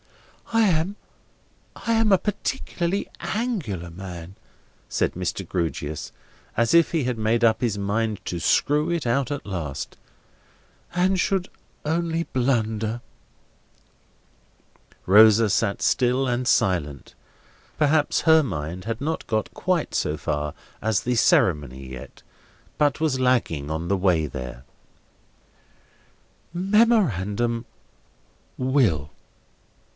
I am—I am a particularly Angular man," said Mr. Grewgious, as if he had made up his mind to screw it out at last: "and should only blunder." Rosa sat still and silent. Perhaps her mind had not got quite so far as the ceremony yet, but was lagging on the way there. "Memorandum, 'Will.